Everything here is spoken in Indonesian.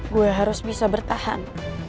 gue harus bisa bertahan